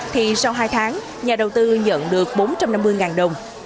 thì sau hai tháng nhà đầu tư nhận được bốn trăm năm mươi đồng